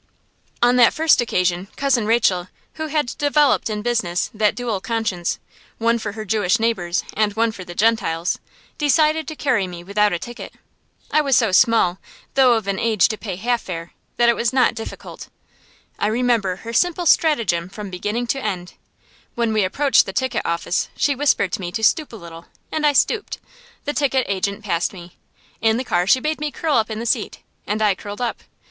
On that first occasion, Cousin Rachel, who had developed in business that dual conscience, one for her Jewish neighbors and one for the Gentiles, decided to carry me without a ticket. I was so small, though of an age to pay half fare, that it was not difficult. I remember her simple stratagem from beginning to end. When we approached the ticket office she whispered to me to stoop a little, and I stooped. The ticket agent passed me. In the car she bade me curl up in the seat, and I curled up.